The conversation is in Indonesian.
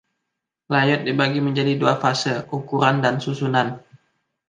Layout dibagi menjadi dua fase: “Ukuran” dan “Susunan”.